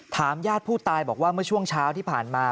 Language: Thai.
ญาติผู้ตายบอกว่าเมื่อช่วงเช้าที่ผ่านมา